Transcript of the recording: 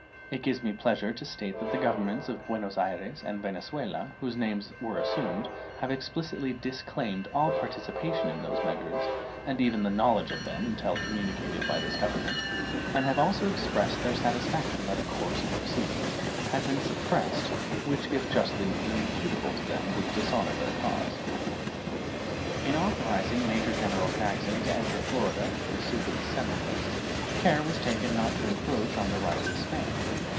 It gives me pleasure to state that the Governments of Buenos Ayres and Venezuela, whose names were assumed, have explicitly disclaimed all participation in those measures, and even the knowledge of them until communicated by this Government, and have also expressed their satisfaction that a course of proceedings had been suppressed which if justly imputable to them would dishonor their cause. In authorizing Major General Jackson to enter Florida in pursuit of the Seminoles care was taken not to encroach on the rights of Spain.